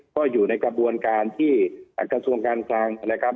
ก็อยู่ในกระบวนการที่กระทรวงการคลังนะครับ